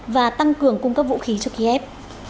và tăng cường cung cấp vũ khí cho kiev